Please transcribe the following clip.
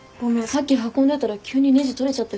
さっき運んでたら急にねじ取れちゃってさ。